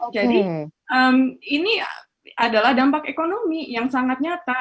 jadi ini adalah dampak ekonomi yang sangat nyata